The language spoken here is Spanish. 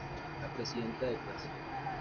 La presidenta de clase.